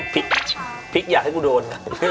พริกพริกอยากให้กูโดน